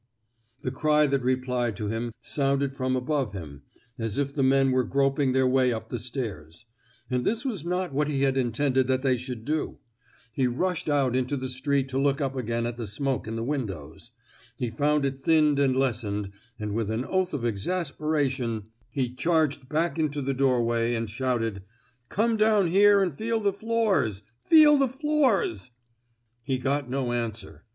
The cry that replied to him sounded from above him, as if the men were groping their way up the stairs ; and this was not what he had intended that they should do. He rushed out into the street to look up again at the smoke in the windows. He found it thinned and lessened, and with an oath of exasperation he charged back into the door 230 A QUESTION OF EETIEEMENT way and shouted, '* Come down here an* feel the floors I Feel the floors I *' He got no answer.